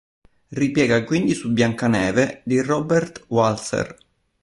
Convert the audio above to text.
Ripiega quindi su "Biancaneve" di Robert Walser.